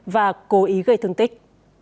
và cố ý gây thương tích